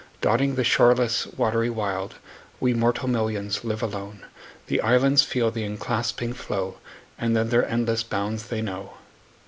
Dotting the shoreless watery wild, We mortal millions live alone. The islands feel the enclasping flow, 5 And then their endless bounds they know.